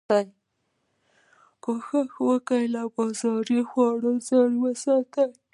کوښښ وکړه له بازاري خوړو ځان وساتي